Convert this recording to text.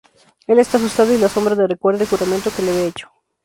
Él está asustado y la sombra le recuerda el juramento que le había hecho.